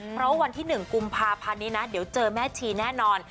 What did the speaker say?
เพราะวันที่๑กุมภาพันธ์นี้นะเดี๋ยวเจอแม่ชีแน่นอน